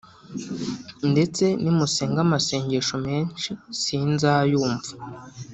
ndetse nimusenga amasengesho menshi sinzayumva